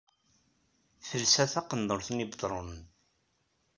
Tersa taqenduṛt n Yibetṛunen.